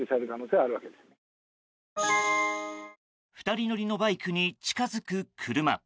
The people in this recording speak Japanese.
２人乗りのバイクに近づく車。